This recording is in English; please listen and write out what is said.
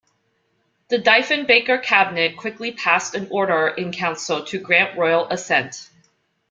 The Diefenbaker Cabinet quickly passed an order in council to grant royal assent.